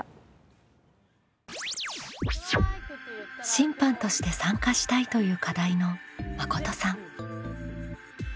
「審判として参加したい」という課題のまことさん。